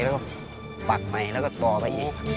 แล้วก็ปักใหม่แล้วก็ต่อไป